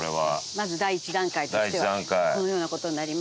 まず第１段階としてはこのような事になりました。